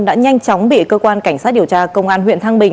đã nhanh chóng bị cơ quan cảnh sát điều tra công an huyện thăng bình